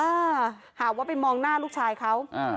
อ่าหาว่าไปมองหน้าลูกชายเขาอ่า